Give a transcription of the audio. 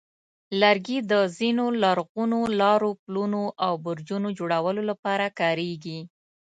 لرګي د ځینو لرغونو لارو، پلونو، او برجونو جوړولو لپاره کارېږي.